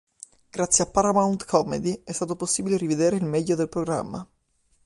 Grazie a Paramount Comedy è stato possibile rivedere il meglio del programma.